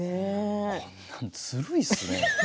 こんなん、ずるいよね。